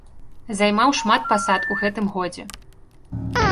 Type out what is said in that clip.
Займаў шмат пасад у гэтым годзе.